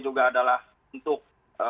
juga adalah untuk